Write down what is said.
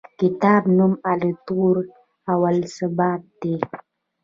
کتاب نوم التطور و الثبات دی.